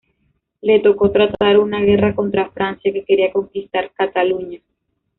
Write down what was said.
Le tocó tratar una guerra contra Francia, que quería conquistar Cataluña.